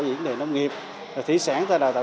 những đề nông nghiệp thị xã thôi đào tạo